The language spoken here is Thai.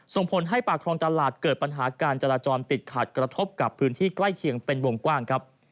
ส่งผลให้ปากครองตลาดเกิดปัญหาการจราจรติดขัดกระทบกับพื้นที่ใกล้เคียงเป็นวงกว้างครับ